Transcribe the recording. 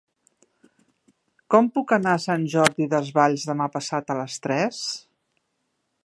Com puc anar a Sant Jordi Desvalls demà passat a les tres?